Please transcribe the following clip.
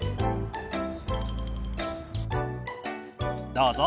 どうぞ。